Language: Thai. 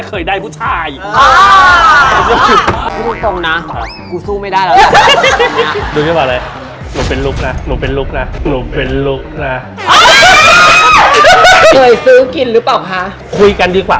เอามากันสิ